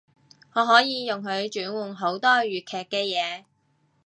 我可以用佢轉換好多粵劇嘅嘢